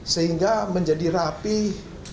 sehingga menjadi rapih